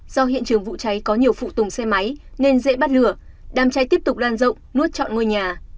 do hiện trường vụ cháy có nhiều phụ tùng xe máy nên dễ bắt lửa đàm cháy tiếp tục lan rộng nuốt chọn ngôi nhà